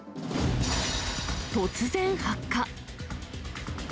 突然、発火。